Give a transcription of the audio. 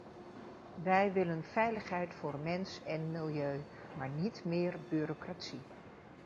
Wij willen veiligheid voor mens en milieu, maar niet meer bureaucratie.